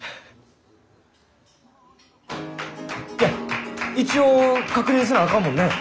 いや一応確認せなあかんもんね